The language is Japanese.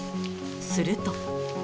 すると。